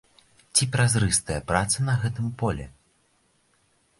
Ці празрыстая праца на гэтым полі?